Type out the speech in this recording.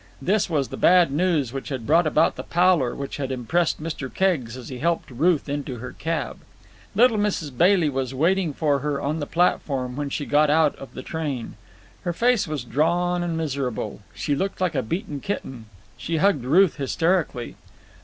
This was the bad news which had brought about the pallor which had impressed Mr. Keggs as he helped Ruth into her cab. Little Mrs. Bailey was waiting for her on the platform when she got out of the train. Her face was drawn and miserable. She looked like a beaten kitten. She hugged Ruth hysterically.